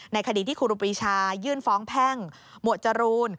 คดีที่ครูปีชายื่นฟ้องแพ่งหมวดจรูน